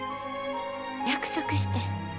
約束してん。